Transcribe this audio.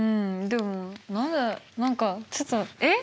でもまだ何かちょっとえっ？